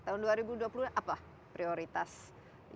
tahun dua ribu dua puluh dua apa prioritas yang ingin kita lakukan